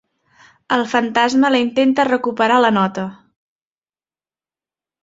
El fantasma la intenta recuperar la nota.